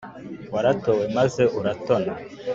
waratowe maze uratona